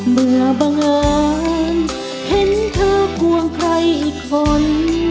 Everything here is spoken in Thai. บังเอิญเห็นเธอควงใครอีกคน